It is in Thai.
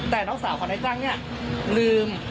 แต่น้องสาวของนายจ้างเนี่ยลืม